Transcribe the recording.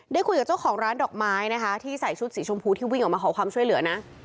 ได้คุยกับเจ้าของร้านดอกไม้นะคะที่ใส่ชุดสีชมพูที่วิ่งออกมาขอความช่วยเหลือนะ